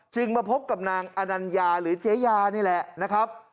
มาพบกับนางอนัญญาหรือเจ๊ยานี่แหละนะครับ